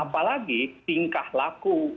apalagi tingkah laku